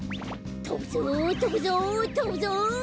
とぶぞとぶぞとぶぞ！